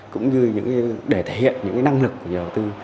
cũng như để thể hiện những năng lực của nhà đầu tư